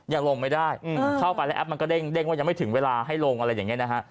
ยังลงไม่ได้เข้าไปแล้วแป๊บมันก็เด้งว่ายังไม่ถึงเวลาให้ลงอะไรอย่างนี้นะฮะ